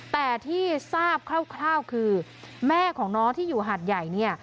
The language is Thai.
แต่ที่ทราบคร่าวคือแม่ของน้องที่อยู่หาดใหญ่เนี่ย